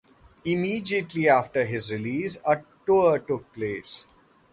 Immediately after this release, a tour took place.